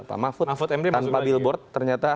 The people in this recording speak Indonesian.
pak mahfud tanpa billboard ternyata